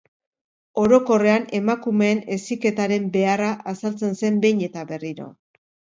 Orokorrean, emakumeen heziketaren beharra azaltzen zen behin eta berriro.